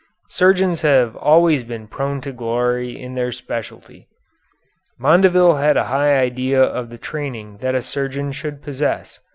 Surgeons have always been prone to glory in their specialty. Mondeville had a high idea of the training that a surgeon should possess.